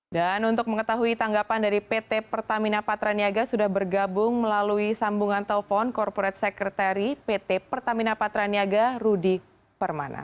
dan untuk mengetahui tanggapan dari pt pertamina patraniaga sudah bergabung melalui sambungan telepon korporat sekretari pt pertamina patraniaga rudy permana